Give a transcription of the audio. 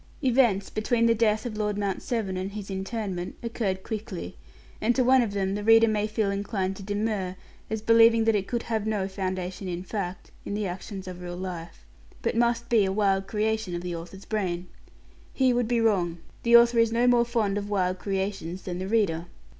Events, between the death of Lord Mount Severn and his interment, occurred quickly; and to one of them the reader may feel inclined to demur, as believing that it could have no foundation in fact, in the actions of real life, but must be a wild creation of the author's brain. He would be wrong. The author is no more fond of wild creations than the reader.